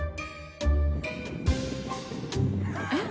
えっ？